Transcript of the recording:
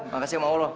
makasih sama allah